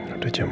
udah jam lima